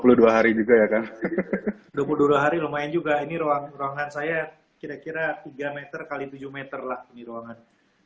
udah dua puluh dua hari juga ya kang dua puluh dua hari lumayan juga ini ruangan saya kira kira tiga m x tujuh m lah ini ruangan